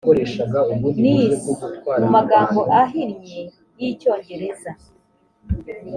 niss mu magambo ahinnye y icyongereza